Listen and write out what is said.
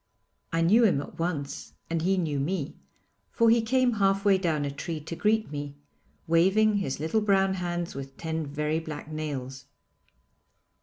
I knew him at once and he knew me, for he came half way down a tree to greet me, waving his little brown hands with ten very black nails.